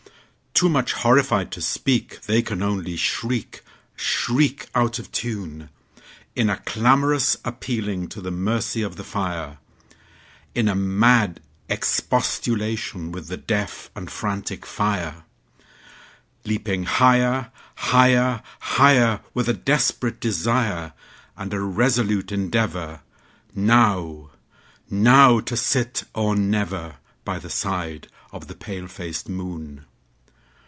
Too much horrified to speak, They can only shriek, shriek, Out of tune, In a clamorous appealing to the mercy of the fire, In a mad expostulation with the deaf and frantic fire, Leaping higher, higher, higher, With a desperate desire, And a resolute endeavorNow—now to sit or never, By the side of the pale faced moon.